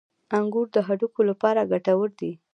• انګور د هډوکو لپاره ګټور دي.